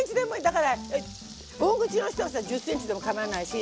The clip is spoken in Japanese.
だから大口の人はさ１０ｃｍでもかまわないし。